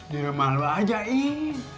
di rumah lu aja ini